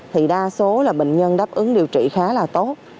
thì đa số là bệnh nhân đáp ứng điều trị khá là tốt